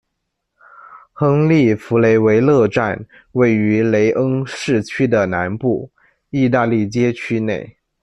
亨利·弗雷维勒站位于雷恩市区的南部，意大利街区内。